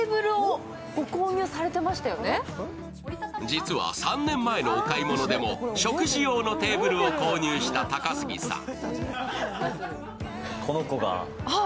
実は３年前のお買い物でも食事用のテーブルを購入した高杉さん。